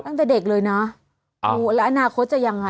ตั้งแต่เด็กเลยนะแล้วอนาคตจะยังไง